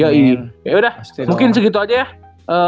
ya udah mungkin segitu aja ya